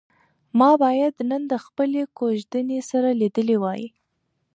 ما باید نن د خپلې کوژدنې سره لیدلي وای.